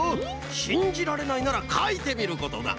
しんじられないならかいてみることだ。